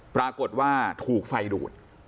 ปรากฏว่าถูกไฟดูด